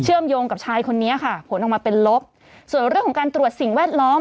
โยงกับชายคนนี้ค่ะผลออกมาเป็นลบส่วนเรื่องของการตรวจสิ่งแวดล้อม